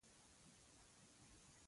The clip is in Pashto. تهجد لمونځ د شپې په اوږدو کې ادا کیږی.